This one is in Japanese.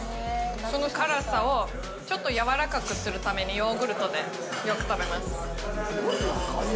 その辛さをちょっとやわらかくするためにヨーグルトでよく食べます。